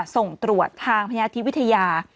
ส่งตรวจทางพยาธิวิทยา